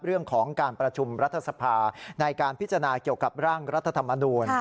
เรื่องของการประชุมรัฐสภาในการพิจารณาเกี่ยวกับร่างรัฐธรรมนูล